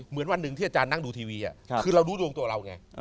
วันหนึ่งที่อาจารย์นั่งดูทีวีคือเรารู้ดวงตัวเราไง